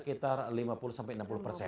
sekitar lima puluh sampai enam puluh persen